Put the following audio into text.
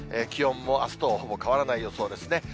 気温もあすとほぼ変わらない予想ですね。